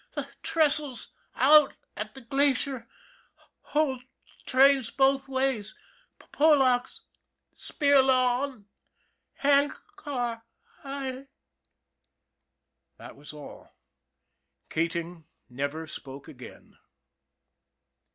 " The trestle's out at the Glacier hold trains both ways Polacks Spirlaw on handcar I " That was all. Keating never spoke again.